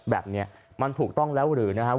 แบบนี้มันถูกต้องแล้วหรือนะครับ